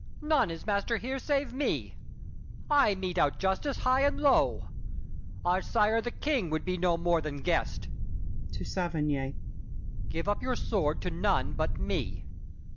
None is master here Save me! I mete out justice high and low. Our sire the King would be no more than guest. [To Saverny.] Give up your sword to none but me.